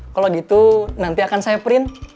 kalau gitu nanti akan saya print